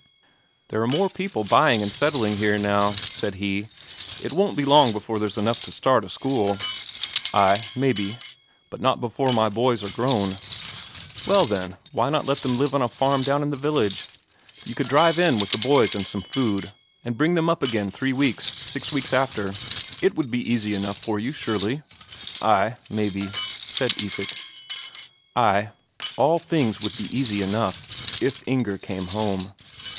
"There are more people buying and settling here now," said he. "It won't be long before there's enough to start a school." "Ay, maybe, but not before my boys are grown." "Well, why not let them live on a farm down in the village? You could drive in with the boys and some food, and bring them up again three weeks six weeks after; it would be easy enough for you, surely?" "Ay, maybe," said Isak. Ay, all things would be easy enough, if Inger came home.